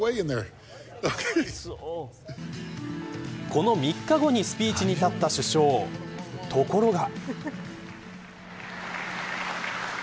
この３日後にスピーチに立った首相ところが。